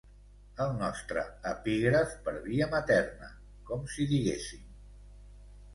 El nostre epígraf per via materna, com si diguéssim.